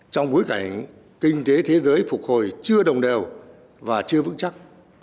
trong bối cảnh kinh tế thế giới phục hồi chưa đồng đều và chưa vững chắc